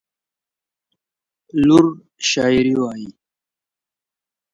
لور شاعري وايي.